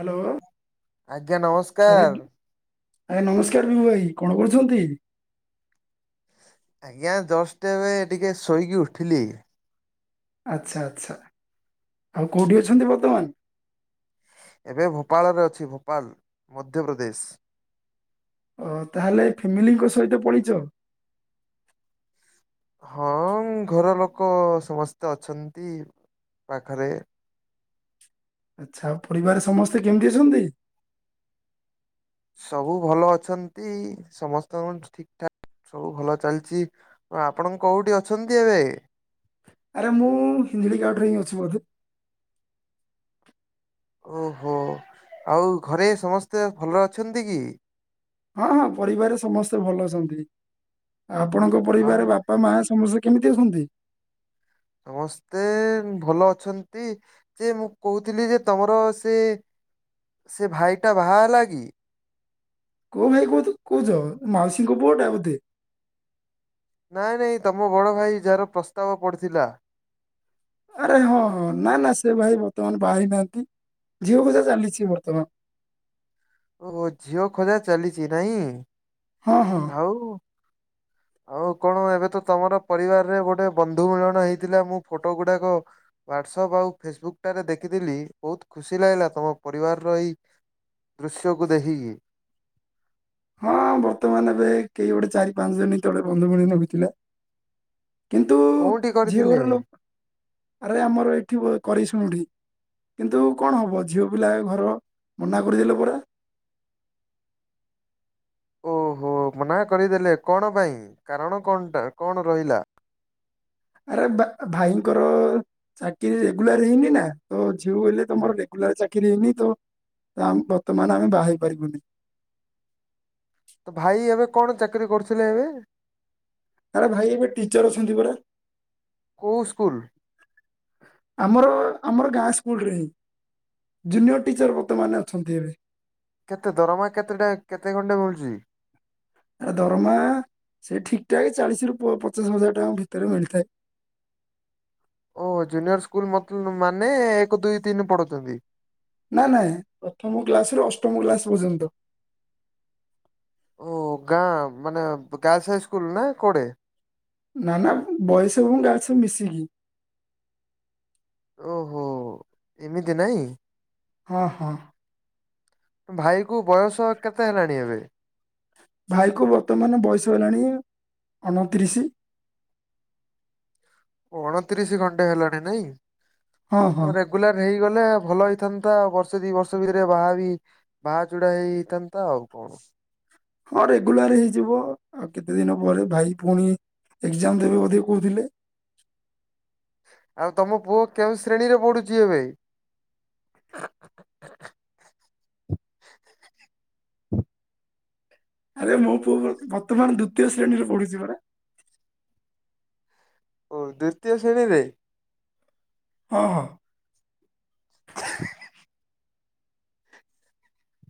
Hello. ଆଜ୍ଞା ନମସ୍କାର। ଆଜ୍ଞା ନମସ୍କାର ବିଭୁଭାଇ କଣ କରୁଛନ୍ତି? ଆଜ୍ଞା ଜଷ୍ଟ ଏବେ ଟିକେ ଶୋଇକି ଉଠିଲି। ଆଚ୍ଛା ଆଚ୍ଛା ଆଉ କୋଉଠି ଅଛନ୍ତି ବର୍ତ୍ତମାନ? ଏବେ ଭୋପାଳରେ ଅଛି ଭୋପାଲ ମଧ୍ୟପ୍ରଦେଶ। ହଁ ତାହେଲେ ଫ୍ୟାମିଲିଙ୍କ ସହିତ ପଳେଇଚ? ହଁ ଘର ଲୋକ ସମସ୍ତେ ଅଛନ୍ତି ପାଖରେ। ଆଚ୍ଛା ଆଉ ପରିବାରେ ସମସ୍ତେ କେମିତି ଅଛନ୍ତି? ସବୁ ଭଲ ଅଛନ୍ତି ସମସ୍ତଙ୍କ ଠିକ ଠାକ୍ ସବୁ ଭଲ ଚାଲଚି ଆଉ ଆପଣ କୋଉଠି ଅଛନ୍ତି ଏବେ? ଆରେ ମୁଁ [unintelligible] ଗାର୍ଡରେ ହିଁ ଅଛି ବନ୍ଧୁ। ଓହୋ ଆଉ ଘରେ ସମସ୍ତେ ଭଲରେ ଅଛନ୍ତି କି? ହଁ ହଁ ପରିବାରରେ ସମସ୍ତେ ଭଲ ଅଛନ୍ତି ଆଉ ଆପଣଙ୍କ ଆଉ ପରିବାରରେ ବା ପା ମାଆ ସମସ୍ତେ କେମିତି ଅଛନ୍ତି? ସମସ୍ତେ ଭଲ ଅଛନ୍ତି ଯେ ମୁଁ କକହୁଥିଲି ଯେ ତମର ସେ ସେ ଭାଇଟା ବାହା ହେଲାକି? କୋଉ ଭାଇ କୁହତ କୋହୁଚ ମାଉସୀଙ୍କ ପୁଅଟା ବୋଧେ? ନାଇଁ ନାଇଁ ତମ ବଡ ଭାଇ ଯାହାର ପ୍ରସ୍ତାବ ପଡିଥିଲା। ଆରେ ହଁ ହଁ ନା ନା ସେ ଭାଇ ବର୍ତ୍ତମାନ ବାହା ହେଇ ନାହାନ୍ତି ଝିଅ ଖୋଜା ଚାଲିଛି ବର୍ତ୍ତମାନ। ଓହୋ ଝିଅ ଖୋଜା ଚାଲିଚି ନାଇଁ? ହଁ ହଁ। ହୋଉ ଆଉ କଣ ଏବେ ତ ତମର ପରିବାରରେ ଗୋଟେ ବନ୍ଧୁ ମିଳନ ହେଇଥିଲା ମୁଁ ଫଟୋ ଗୁଡାକ ହ୍ୱାଟସଆପ୍ ଆଉ ଫେସବୁକଟାରେ ଦେଖିଥିଲି ବୋହୁତ ଖୁସି ଲାଗିଲା ତମ ପରିବାରର ଏହି ଦୃଶ୍ୟକୁ ଦେଖିକି। ହଁ ବର୍ତ୍ତମାନ ଏବେ କେହି ଗୋଟେ ଚାରି ପାଞ୍ଚ ଦିନି ତଳେ ବନ୍ଧୁ ମିଳନ ହୋଇଥିଲା। କିନ୍ତୁ କୋଉଠି ଝିଅ କରିଥିଲେ? ଘର ଲୋ ଆରେ ଆମର ଏଇଠି ବୋ କରି ଶୁଣୁଠି କିନ୍ତୁ କଣ ହବ ଝିଅ ପିଲା ଘର ମନା କରିଦେଲେ ପରା। ଓହୋ ମନା କରିଦେଲେ କଣ ପାଇଁ କାରଣ କଣଟା କଣ ରହିଲା? ଆରେ ବା ଭାଇଙ୍କର ଚାକିରି ରେଗୁଲାର ହେଇନି ନା ତ ଝିଅ କହିଲେ ହୁଁ। ତମର ରେ ଗୁଲାର ଚାକିରି ହେଇନି ତ ତ ଆମ୍ ବର୍ତ୍ତମାନ ଆମେ ବାହା ହେଇ ପାରିବୁନି। ତ ଭାଇ ଏବେ କଣ ଚାକିରି କରୁଥୁଲେ ଏବେ? ଆରେ ଭାଇ ଏବେ ଟିଚର୍ ଅଛନ୍ତି ପରା। କୋଉ ସ୍କୁଲ? ଆମର ଆମର ଗାଁ ସ୍କୁଲରେ ହିଁ ଜୁନିୟର ଟିଚର ବର୍ତ୍ତମାନେ ଅଛନ୍ତି ଏବେ। କେତେ ଦରମା କେତେଟା କେତେ ଖଣ୍ଡେ ମିଳୁଚି? ଆ ଦରମା ସେ ଠିକଠାକେ ଚାଳିଶିରୁ ପ ପଚାଶ ହଜାର ଟଙ୍କା ଭିତରେ ମିଳିଥାଏ। ଓ ଜୁନିୟର ସ୍କୁଲ୍ ମତ୍ ମାନେ ଏକ, ଦୁଇ, ତିନି ପଢୁଚନ୍ତି। ନା ନାଇଁ ପ୍ରଥମ କ୍ଲାସରୁ ଅଷ୍ଟମ କ୍ଲାସ ପର୍ଯ୍ୟନ୍ତ। ଓ ଗାଁ ମାନେ ଗାର୍ଲସ୍ ହାଇ ସ୍କୁଲ ନା କୁଆଡେ? ନା ନା ବଏଜ୍ ଏବଂ ଗାଲସ୍ ମିଶିକି। ଓହୋ ଏମିତି ନାଇଁ। ହଁ ହଁ। ଭାଇ କୁ ବୟସ କେତେ ହେଲାଣି ଏବେ। ଭାଇ କ ବର୍ତ୍ତମାନ ବୟସ ହେଲାଣି ଅଣତିରିଶି। ଅଣତିରିଶ ଖଣ୍ଟେ ହେଲାଣି ନାଇଁ, ହଁ ହଁ ଘରେ ଗୁଲାର ହେଇଗଲେ ଭଲ ହେଇଥାନ୍ତା ବର୍ଷେ ଦି ବର୍ଷ ଭିତରେ ବାହା ବି ବାହା ଚୁଡା ହେଇ ହେଇଇଥାନ୍ତା ଆଉ କଣ। ହଁ ରେଗୁଲାର ହେଇଯିବ ଆଉ କେତେ ଦିନ ପରେ ଭାଇ ପୁଣି ଏକ୍ଜାମ ଦେବେ ବୋଧେ କହୁଥିଲେ। ଆଉ ତମ ପୁଅ କେଉଁ ଶ୍ରେଣୀରେ ପଢୁଛି ଏବେ। ଆରେ ମୁଁ ପୁଅ ବର୍ତ୍ତମାନ ଦ୍ୱିତୀୟ ଶ୍ରେଣୀରେ ପଢୁଛି ପରା। ଓ ଦ୍ଵିତୀୟ ଶ୍ରେଣୀରେ। ହଁ ହଁ।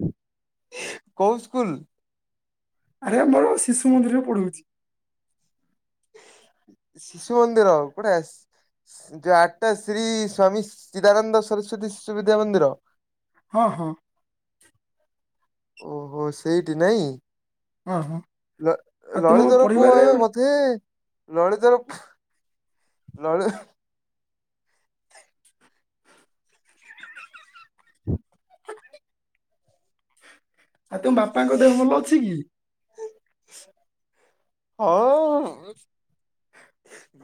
ହୁଁ କୋଉ ସ୍କୁଲ। ଆରେ ଆମର ପା ଶିଶୁ ମନ୍ଦିର ପଢଉଛି ଶିଶୁମନ୍ଦିର ବଢ଼ିଆସ - ଯୋଉ ଆଠଟା ଶ୍ରୀ ସ୍ଵାମୀ ଚିଦାନନ୍ଦ ସରସ୍ଵତୀ ଶିଶୁ ବିଦ୍ୟା ମନ୍ଦିର। ହଁ ହଁ। ଓହୋ ସେଇଠି ନାଇଁ ହଁ ହଁ ଲ ଆଉ ତୁମ ଲଳିତର ପୁଅ ପରିବାରରେ ଏବେ ବ ତେ ଲଳିତର ପୁ ଲଳିତ [inaudible] ଆଉ ତମ ବାପାଙ୍କ ଦେହ ଭଲ ଅଛି କି। ହଁ।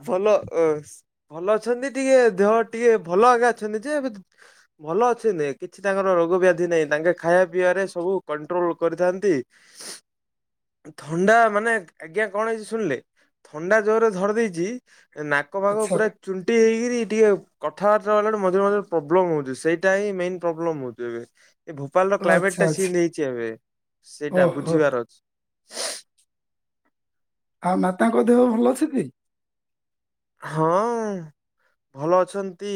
ଭଲ ଅ ଭଲ ଅଛନ୍ତି ଟିକେ ଦେହ ଟିକେ ଭଲ ଆଜ୍ଞା ଅଛନ୍ତି ଯେ ଭଲ ଅଛିନ୍ତି କିଛି ତାଙ୍କର ରୋଗ ବ୍ୟାଧି ନାହିଁ ତାଙ୍କେ ଖାଇବା ପିଇବାରେ ସବୁ କଣ୍ଟ୍ରୋଲ କରିଥାନ୍ତି। ଥଣ୍ଡା ମାନେ ଆଜ୍ଞା କଣ ହେଇଛି ଶୁଣିଲେ ଥଣ୍ଡା ଜୋର ଧରି ଦେଇଛି ନାକ ଫାଗ ଆଚ୍ଛା ପୁରା ଚୁଣ୍ଟି ହେଇକିରି ଟିକେ କଥାବାର୍ତ୍ତା ହେଲାବେଳକୁ ମଝିରେ ମଝିରେ ପ୍ରୋବ୍ଲେମ ହଉଛି ସେଇଟା ହିଁ ମେନ୍ ପ୍ରୋବ୍ଲେମ ହଉଛି ଏବେ। ଏ ଭୋପାଳର ଓ ଆଚ୍ଛା କ୍ଲାଇମେଟଟା ସେ ଆଚ୍ଛା ନେଇଛି ଏବେ ସେଇଟା ଓହୋ ବୁଝିବାର ଅଛି। ଆଉ ମାତାଙ୍କ ଦେହ ଭଲ ଅଛି ଟି। ହଁ। ଭଲ ଅଛନ୍ତି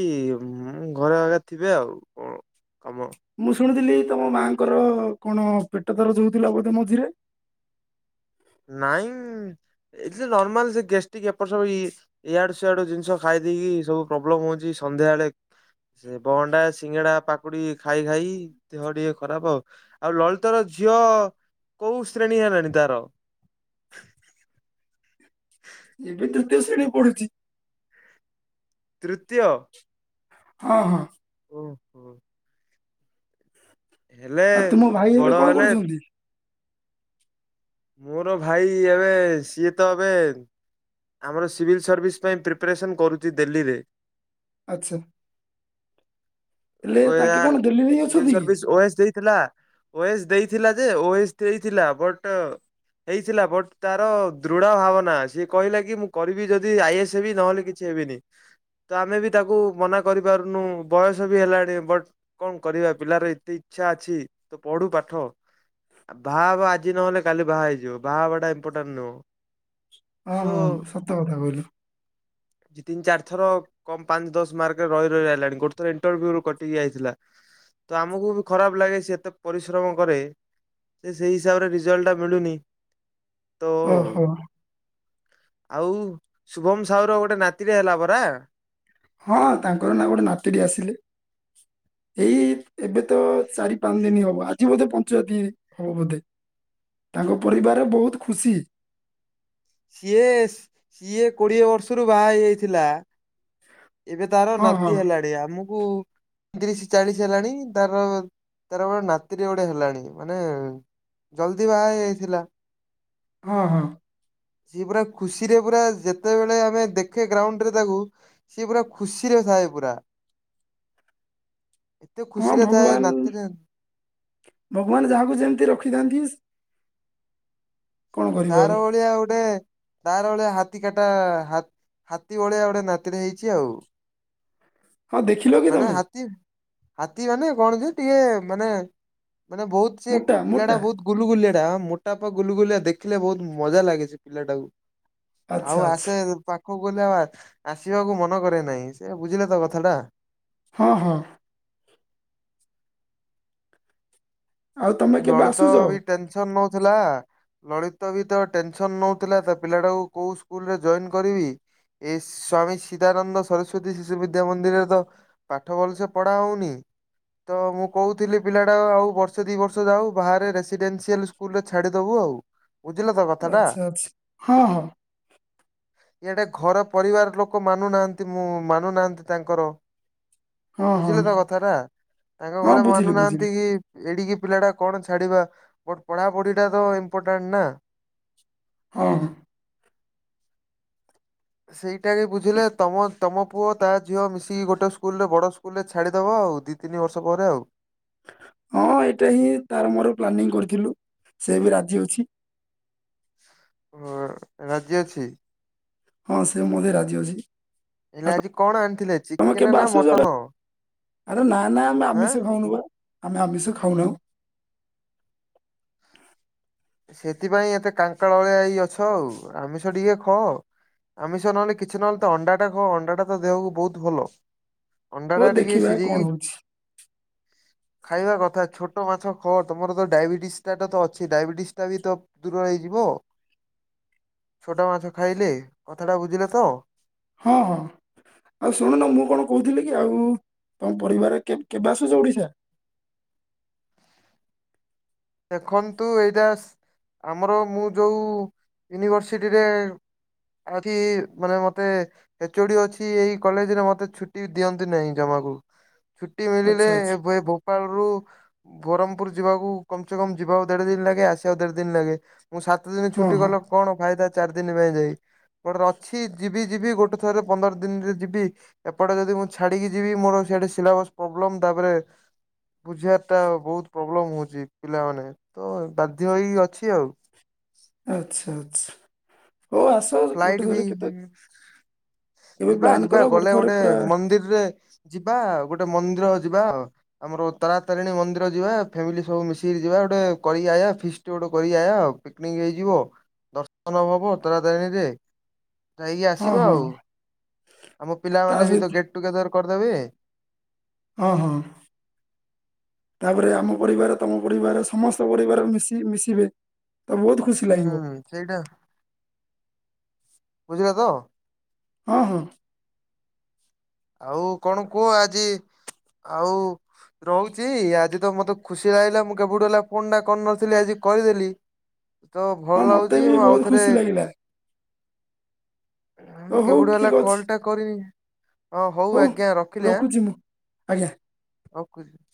ଘରେ ଆଗେ ଥିବେ ଆଉ କଣ କାମ। ମୁଁ ଶୁଣୁଥିଲି ତମ ମାଙ୍କର କଣ ପେଟ ଦରଜ ହଉଥିଲା ବୋଧେ ମଝିରେ? ନାଇଁ ଏଯେ ନର୍ମାଲ ସେ ଗେଷ୍ଟିକ୍ ଏପଟ ସବୁ ଇଏ ଇଆଡୁ ସିଆଡୁ ଜିନିଷ ଖାଇ ଦେଇକି ସବୁ ପ୍ରୋବ୍ଲେମ ହଉଛି ସନ୍ଧ୍ୟା ବେଳେ ସେ ବହଣ୍ଡା ସିଙ୍ଗଡା ପାକୁଡି ଖାଇ ଖାଇ ଦେହ ଟିକେ ଖରାପ ଆଉ। ଆଉ ଲଳିତର ଝିଅ କୋଉ ଶ୍ରେଣୀ ହେଲାଣି ତାର? [inaudible] [inaudible] ଏ ତୃତୀୟ ଶ୍ରେଣୀରେ ପଢୁଛି। ତୃତୀୟ। ହଁ, ହଁ। ଓହୋ। ହେଲେ ଆଉ ତୁମ ଭାଇ ବଡ ଏବେ କଣ ହେଲେ କରୁଛନ୍ତି? ମୋର ଭାଇ ଏବେ ସିଏ ତ ଏବେ ଆମର ସିଭିଲ୍ ସର୍ଭିସ ପାଇଁ ପ୍ରିପାରେସନ୍ କରୁଛି ଦେଲ୍ଲୀରେ। ଆଚ୍ଛା ହେଲେ ତାଙ୍କେ କଣ ଦିଲ୍ଲୀରେ ହିଁ ଅଛନ୍ତି କି? ଓ ଏ ଏସ ଦେଇ ଥିଲା ଓ ଏ ଏସ୍ ଦେଇଥିଲା ଯେ ଓ ଏ ଏସ୍ ଦେଇଥିଲା ବଟ୍ ହେଇଥିଲା ବଟ୍ ତାର ଦୃଢ ଭାବନା ସିଏ କହିଲା କି ମୁଁ କରିବି ଯଦି ଆଇ ଏ ଏସ୍ ହେବି ନହେଲେ କି କିଛି ହେବିନି। ତ ଆମେ ବି ତାକୁ ମନା କରିପାରୁନୁ ବୟସ ସ ବି ହେଲାଣି ବଟ୍ କଣ କରିବା, ପିଲାର ଏତେ ଇଚ୍ଛା ଅଛି ତ ପଢୁ ପାଠ। ଆ ବାହା ହେବ ଆଜି ନହେଲେ କାଲି ବାହା ହେଇଯିବ, ବାହା ହେବାଟା ଇମ୍ପୋଟାଣ୍ଟ ନୁହଁ। ହଁ, ହଁ, ସୋ ହଁ, ସତ କଥା କହିଲୁ। ଦି ତିନି ଚାରିଥର କମ୍ ପାଞ୍ଚ ଦଶ ମାର୍କରେ ରହି ରହି ଆଇଲାଣି ଗୋଟେ ଥ ଥରେ ଇଣ୍ଟରଭ୍ୟୁରୁ କଟିିକି ଆଇଥିଲା, ତ ଆମକୁ ବି ଖରାପ ଲାଗେ ସେ ଏତେ ପରିଶ୍ରମ କରେ ସେ ସେଇ ହିସାବରେ ରିଜଲ୍ଟଟା ମିଳୁନି, ତ ଉ ଓହୋ ଆଉ ଶୁଭମ୍ ସାହୁର ଗୋଟେ ନାତିଟେ ହେଲା ପରା? ହଁ ତାଙ୍କର ନାଁ ଗୋଟେ ନାତିଟେ ଆସିଲେ, ଏଇ ଏବେ ତ ଚାରି ପାଞ୍ଚ ଦିନ ହବ, ଆଜି ବୋଧେ ପଞ୍ଚୁଆତି ହବ ବୋଧେ ତାଙ୍କ ପରିବାରରେ ବହୁତ ଖୁସି। ସିଏସ୍ ସିଏ କୋଡିଏ ବର୍ଷରୁ ବାହା ହେଇଯାଇଥିଲା। ଏବେ ତାର ହଁ ହଁ ନାତି ହେଲାଣି, ଆମକୁ ତିରିଶି ଚାଳିଶି ହେଲାଣି ତାର ତାର ନାତିଟିଏ ଗୋଟେ ହେଲାଣି ମାନେ ଜଲଦି ବାହା ହେଇଯାଇଥିଲା। ହଁ, ହଁ। ସିଏ ପୁରା ଖୁସିରେ ପୁରା ଯେତେବେଳେ ଆମେ ଦେଖେ ଗ୍ରାଉଣ୍ଡରେ ତାକୁ ସିଏ ପୁରା ଖୁସିରେ ଥାଏ ପୁରା। ଏତେ ହଁ, ଖୁସିରେ ଥାଏ ଭଗବାନ, ନାତିରେ ଭଗବାନ ଯାହାକୁ ଯେମିତି ରଖିଥାନ୍ତି। କଣ କରିବ ଆଉ ତାର ଭଳିଆ ଗୋଟେ ତାର ଭଳିଆ ହାତୀ କାଟା ହା-ହାତୀ ଭଳିଆ ଗୋଟେ ନାତିଟେ ହେଇଛି ଆଉ। ହଁ ଦେଖି ମାନେ ହାତୀ, ହାତୀ ମାନେ କଣ ଯେ ଟିକେ ମାନେ ମାନେ ବହୁତ ସେ ମୋଟା ପିଲାଟା ମୋଟା ବହୁତ ଗୁଲୁଗୁଲିଆଟା, ହଁ ମୋଟା ପା ଗୁଲୁଗୁଲିଆ ଦେଖିଲେ ବହୁତ ମଜା ଲାଗେ ସେ ପିଲାଟାକୁ। ଆଚ୍ଛା ଆଉ ଆଚ୍ଛା ଆସେ ପାଖକୁ ଗଲେ ଆଉ ଆ-ଆସିବାକୁ ମନ କରେନାହିଁ। ସେୟା ବୁଝିଲେ ତ କଥାଟା? ହଁ, ହଁ। ଆଉ ତମେ କେବେ ଗଣିତ ଆସୁଛ ବି ଟେନସନ ନଉଥିଲା ଲଳିତ ବି ତ ଟେନସନ ନଉଥିଲା, ତା ପିଲାଟାକୁ କୋଉ ସ୍କୁଲରେ ଜଇନ୍ କରିବି? ଏଇ ସ୍ଵାମୀ ସିଦାନନ୍ଦ ସରସ୍ଵତୀ ଶିଶୁ ବିଦ୍ୟା ମନ୍ଦିରରେ ତ ପାଠ ଭଲସେ ପଢା ହଉନି, ତ ମୁଁ କହୁଥିଲି ପିଲାଟା ଆଉ ବର୍ଷେ ଦି ବର୍ଷ ର୍ଷ ଯାଉ, ବାହାରେ ରେସିଡେନ୍ସିଆଲ୍ ସ୍କୁଲରେ ଛାଡିଦବୁ ଆଉ। ବୁଝିଲ ତ କଥାଟା। ଆଚ୍ଛା, ଆଚ୍ଛା। ହଁ, ହଁ। ଇଆଡେ ଘର ପରିବାର ଲୋକ ମାନୁନାହାଁନ୍ତି ମୁଁ, ମାନୁନାହାଁନ୍ତି ତାଙ୍କର। ହଁ ହଁ ବୁଝିଲେ ତ କଥାଟା? ତାଙ୍କ ହଁ ଘରେ ବୁଝିଲି ବୁଝିଲି ମାନୁନାହାଁନ୍ତି କି ଏଡିକି ଡିକି ପିଲାଟା କଣ ଛାଡିବା, ବଟ ପଢାପଢିଟା ତ ଇମ୍ପୋର୍ଟାଣ୍ଟ ନା? ହଁ, ହଁ। ସେଇଟା କି ବୁଝିଲେ ତମ ତମ ପୁଅ ତା ଝିଅ ମିଶିକି ଗୋଟେ ସ୍କୁଲରେ ବଡ ସ୍କୁଲରେ ଛାଡ଼ିଦବ ଆଉ, ଦି ତିନି ବର୍ଷ ପରେ ଆଉ। ହଁ, ଏଇଟା ହିଁ ତାର ମୋର ପ୍ଲାନିଂ କରିଥିଲୁ, ସେ ବି ରାଜି ଅଛି। ହଁ, ରାଜି ଅଛି? ହଁ, ସେ ମୋ ଦେଇ ରାଜି ଅଛି। ହେଲେ ଆଉ ଆଜି କଣ ଆଣିଥିଲେ, ତମେ ଚିକେନ କେବେ ନା ଆସୁଛ ମଟନ? ଆରେ ନା ନା, ଆମେ ଆଁ ଆମିଷ ଖାଉନୁ ମୁଁ ବା, ଆମେ ଆମିଷ ଖାଉନାହୁଁ। ସେଥିପାଇଁ ଏତେ କାଙ୍କାଳ ଅଳିଆ ହେଇ ଅଛ ଆଉ, ଆମିଷ ଟିକେ ଖଅ। ଆମିଷ ନହେଲେ କିଛି ନହେଲେ ତ ଅଣ୍ଡାଟା ଖାଅ, ଅଣ୍ଡାଟା ତ ଦେହକୁ ବହୁତ ଭଲ। ହଉ ଅଣ୍ଡାଟା ଟିକେ ଦେଖିବା କଣ ସିଝେଇକି ହଉଛି ଖାଇବା କଥା। ଛୋଟ ମାଛ ଖଅ, ତମର ତ ଡାଇବେଟିସଟା ତ ଅଛି। ଡାଇବେଟିସ୍ ସେଟା ବି ତ ଦୂର ହେଇଯିବ ଛୋଟ ମାଛ ଖାଇଲେ, କଥାଟା ବୁଝିଲେ ତ? ହଁ, ହଁ। ଆଉ ଶୁଣୁନ ମୁଁ କଣ କହୁଥିଲି କି ଆଉ ତମ ପରିବାର କେବ-କେବେ ଆସୁଛ ଓଡିଶା? ଦେଖନ୍ତୁ, ଏଇଟା ଆମର ମୁଁ ଯୋଉ ୟୁନିଭର୍ସିଟିରେ ଆଠି ମାନେ ମତେ ଏଚୋଡ଼ି ଅଛି ଏଇ କଲେଜରେ ମତେ ଛୁଟି ଦିଅନ୍ତି ନାହିଁ ଜମାରୁ। ଛୁଟି ମିଳିଲେ ଆଚ୍ଛା ଆଚ୍ଛା ଏବେ ଗୋପାଳରୁ ବରମପୁରୁ ଯିବାକୁ କମ୍ ସେ କମ୍ ଯିବା ଦେଢ଼ ଦିନ ଲାଗେ ଆସିବାକୁ ଦେଢ଼ ଦିନ ଲାଗେ ମୁଁ ସାତ ଦିନ ହଁ ଛୁଟି ହଁ କଲେ କଣ ଫାଇଦା ଚାରି ଦିନ ପାଇଁ ଯାଇ [unintelligible] ଅଛି ଯିବି ଯିବି ଗୋଟେ ଥର ପନ୍ଦର ଦିନରେ ଯିବି ଏପଟେ ଯଦି ମୁଁ ଛାଡିକି ଯିବି ମୋର ସିଆଡେ ସିଲାବସ୍ ପ୍ରୋବ୍ଲେମ ତାପରେ ବୁଝିବାରଟା ବହୁତ୍ ପ୍ରୋବ୍ଲେମ ହଉଚି ପିଲାମାନେତ ବାଧ୍ୟ ହେଇ ଅଛି ଆଉ। ଆଚ୍ଛା ଆଛା ହୋଉଆସ ଫ୍ଲାଇଟବି କେବେ ଯିବା ପ୍ଲାନ୍ କର ଯିବା ଗଲେ ଥରେ ଗୋଟେ ପୁରା ମନ୍ଦିରରେ ଯିବା ଗୋଟେ ମନ୍ଦିର ଯିବା। ଆମର ତାରାତାରିଣୀ ମନ୍ଦିର ଯିବା ଫ୍ୟାମିଲି ସବୁ ମିଶିକି ଯିବା ଗୋଟେ କରିକି ଆୟା ଫିଷ୍ଟି ଗୋଟେ କରିକି ଆୟା। ପିକନିକ୍ ହେଇଯିବ ଦର୍ଶନ ହବ ତାରାତାରିଣୀରେ। ଯାଇକି ହଁ ଆସିବା ହଁ ଆଉ ଆମ ତା ସହିତ ପିଲାମାନେବିତ ଗେଟ୍ ଟୁଗେଦର କରିଦେବେ। ହଁ ହଁ। ତାପରେ ଆମ ପରିବାର ତମ ପରିବାର ସମସ୍ତ ପରିବାର ମିଶି ମିଶିବେତ ବହୁତ୍ ଖୁସି ଲାଗିବ। ହୁଁ ସେଇଟା ବୁଝିଲତ। ହଁ ହଁ। ଆଉ କଣ କୁହ ଆଜି ଆଉ ରହୁଚି ଆଜିତ ମତେ ଖୁସି ଲାଗିଲା ମୁଁ କେବେଠୁ ହେଲା ଫୋନଟା କରିନଥିଲି ଆଜି କରିଦେଲି। ତ ହଁ ଭଲ ମତେ ଲାଗୁଚି ବି ମୁଁ ବହୁତ ଆଉଥରେ ଖୁସି ଲାଗିଲା ଓ ହଉ କେବେଠୁ ହେଲା ଠିକ ଅଛି କଲଟା କରିନି। ହଁ ହଉ ଆଜ୍ଞା ରଖିଲି ଆ ରଖୁଛି ମୁଁ ଆଜ୍ଞା ରଖୁଛି।